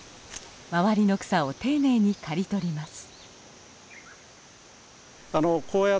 周りの草を丁寧に刈り取ります。